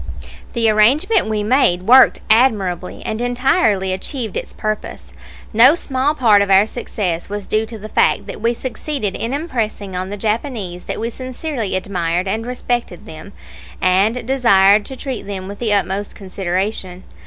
The arrangement we made worked admirably, and entirely achieved its purpose. No small part of our success was due to the fact that we succeeded in impressing on the Japanese that we sincerely admired and respected them, and desired to treat them with the utmost consideration.